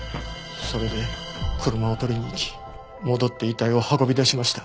それで車を取りに行き戻って遺体を運び出しました。